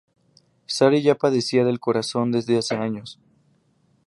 Sary ya padecía del corazón desde hace años.